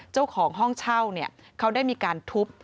เจ้าของห้องเช่าเขาได้มีการทุบ